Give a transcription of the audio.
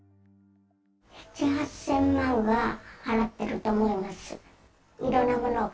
７、８０００万は払っていると思います。